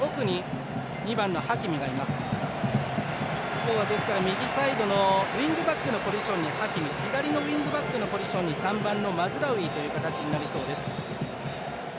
今日は右サイドのウィングバックのポジションにハキミ左のウィングバックのポジションに３番のマズラウイという形になりそうです。